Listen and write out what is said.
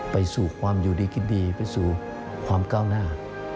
ไปสู่ความอยู่ดีกินดีไปสู่ความก้าวหน้า